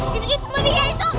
gini gini semua bihanya itu